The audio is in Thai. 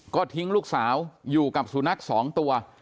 ก็ทิ้งลูกสาวอยู่กับสุนัข๒ตัว